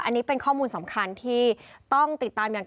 อันนี้เป็นข้อมูลสำคัญที่ต้องติดตามอย่าง